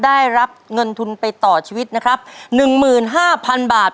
ได้รับเงินทุนไปต่อชีวิตนะครับหนึ่งหมื่นห้าพันบาท